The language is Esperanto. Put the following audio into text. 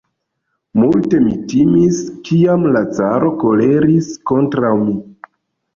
Multe mi timis, kiam la caro koleris kontraŭ mi!